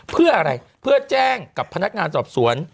เพื่ออะไรเพื่อแจ้งกับพนักงานสอบสวน